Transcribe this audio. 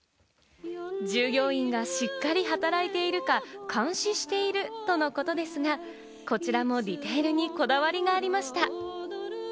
従業員がしっかり働いているか監視しているとのことですが、こちらもディテールにこだわりがありました。